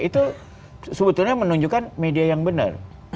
itu sebetulnya menunjukkan media yang benar